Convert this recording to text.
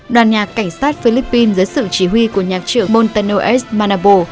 đoàn nhạc cảnh sát philippines do nhà trưởng bontano s manapal